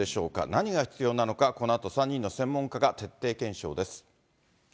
何が必要なのか、このあと３人の専門家が徹底検証です。